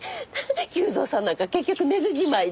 久造さんなんか結局寝ずじまいで。